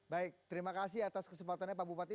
baik terima kasih atas kesempatannya pak bupati